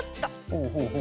ほうほうほう。